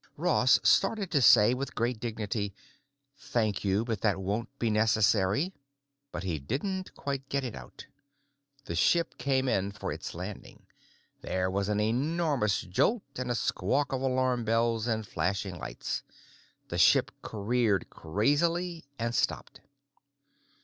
Ross started to say with great dignity, "Thank you, but that won't be necessary." But he didn't quite get it out. The ship came in for its landing. There was an enormous jolt and a squawk of alarm bells and flashing lights. The ship careened crazily, and stopped.